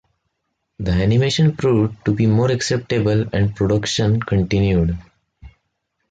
The animation proved to be more acceptable and production continued.